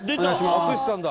「淳さんだ」